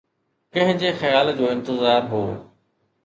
ڪنهن جي خيال جو انتظار هو؟